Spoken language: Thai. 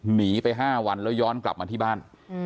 หนีไป๕วันแล้วย้อนกลับมาที่บ้าน